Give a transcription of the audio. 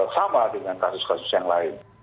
sama dengan kasus kasus yang lain